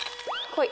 はい。